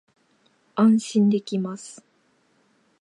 安心できます